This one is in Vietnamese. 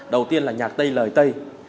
đầu tiên là nhạc tây lời tây